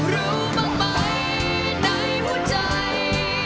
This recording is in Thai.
รู้บ้างไหมในหัวใจ